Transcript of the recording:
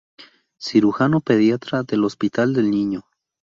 Cirujano Pediatra del Hospital del Niño.